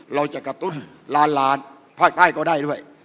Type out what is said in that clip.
เราจะกระตุ้นล้านล้านภาคใต้ก็ได้ด้วย